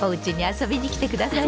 遊びに来て下さい。